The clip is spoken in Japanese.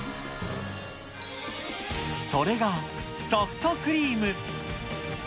それがソフトクリーム。